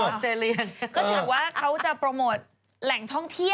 ก็ถือว่าเขาจะโปรโมทแหล่งท่องเที่ยว